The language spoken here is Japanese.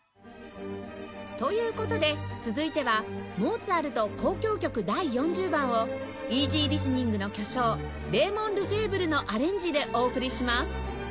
という事で続いてはモーツァルト『交響曲第４０番』をイージーリスニングの巨匠レイモン・ルフェーブルのアレンジでお送りします